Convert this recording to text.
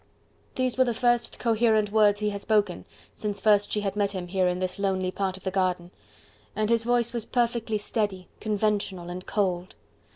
These were the first coherent words he had spoken since first she had met him here in this lonely part of the garden, and his voice was perfectly steady, conventional and cold.